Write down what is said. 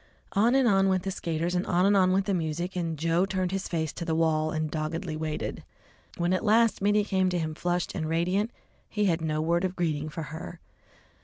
On and on went the skaters, and on and on went the music, and Joe turned his face to the wall and doggedly waited. When at last Mittie came to him flushed and radiant, he had no word of greeting for her.